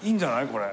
これ。